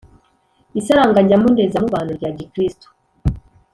isaranganya mboneza mubano rya gikristu.